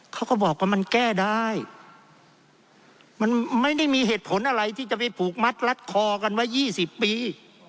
เขาก็บอกว่ามันแก้ได้มันไม่ได้มีเหตุผลอะไรที่จะไปผูกมัดรัดคอกันไว้๒๐ปี